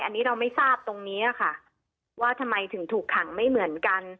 อันนี้เราไม่ทราบตรงนี้ค่ะว่าทำไมถึงถูกขังไม่เหมือนกัน